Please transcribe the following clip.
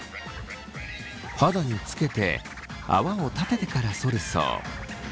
肌につけて泡を立ててからそるそう。